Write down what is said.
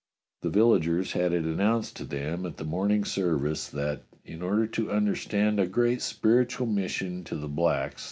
The villagers had it announced to them at the morn ing service that, in order to undertake a great spiritual mission to the blacks.